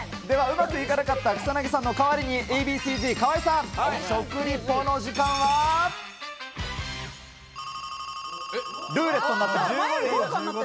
ではうまくいかなかった草薙さんのかわりにＡ．Ｂ．Ｃ−Ｚ河合さん。